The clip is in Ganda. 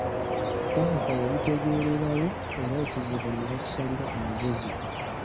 Taata yabitegeererawo era ekizibu ne bakisalira amagezi.